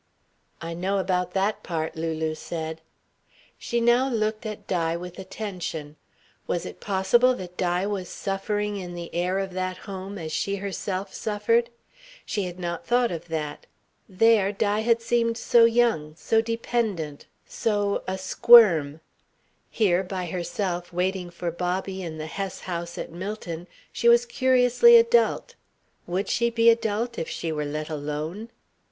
"I know about that part," Lulu said. She now looked at Di with attention. Was it possible that Di was suffering in the air of that home as she herself suffered? She had not thought of that. There Di had seemed so young, so dependent, so asquirm. Here, by herself, waiting for Bobby, in the Hess House at Millton, she was curiously adult. Would she be adult if she were let alone?